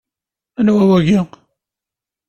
Anwa wagi?